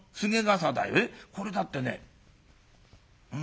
これだってねうん」。